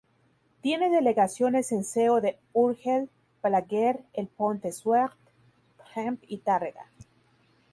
Tiene delegaciones en Seo de Urgel, Balaguer, el Pont de Suert, Tremp y Tárrega.